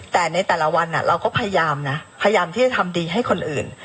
แต่ในแต่ละวันเราก็พยายามนะพยายามที่จะทำดีให้คนอื่น